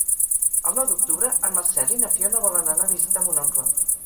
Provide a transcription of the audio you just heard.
El nou d'octubre en Marcel i na Fiona volen anar a visitar mon oncle.